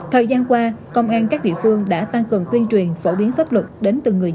thời gian qua công an các địa phương đã tăng cường tuyên truyền phổ biến pháp luật đến từng người dân